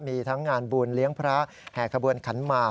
มีทั้งงานบุญเลี้ยงพระแห่ขบวนขันหมาก